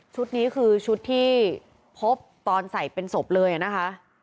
นี้คือชุดที่พบตอนใส่เป็นศพเลยนะคะ